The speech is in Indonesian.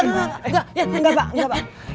enggak pak enggak pak